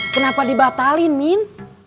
kenapa dibatalin min